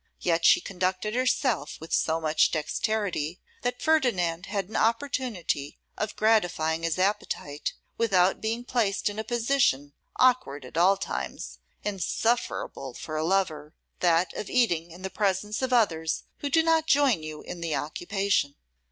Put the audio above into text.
Yet she conducted herself with so much dexterity, that Ferdinand had an opportunity of gratifying his appetite, without being placed in a position, awkward at all times, insufferable for a lover, that of eating in the presence of others who do not join you in the occupation.